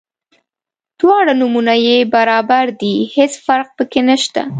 دواړه نومونه یې برابر دي هیڅ فرق په کې نشته.